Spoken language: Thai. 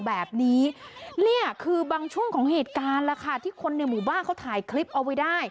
แล้วไม่หยุดนะคะคุณผู้ชมคะ